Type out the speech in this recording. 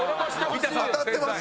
当たってます？